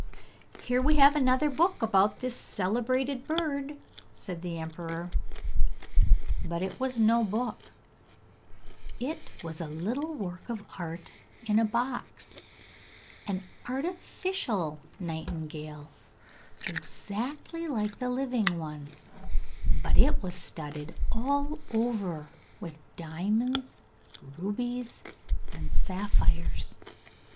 'Here we have another new book about this celebrated bird,' said the emperor. But it was no book; it was a little work of art in a box, an artificial nightingale, exactly like the living one, but it was studded all over with diamonds, rubies and sapphires.